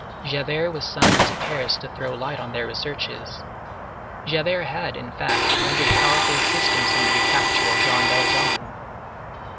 Javert was summoned to Paris to throw light on their researches. Javert had, in fact, rendered powerful assistance in the recapture of Jean Valjean.